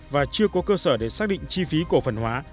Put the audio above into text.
và chưa có cơ sở để xác định chi phí cổ phần hóa